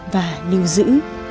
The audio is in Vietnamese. và lưu giữ